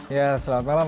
ya selamat malam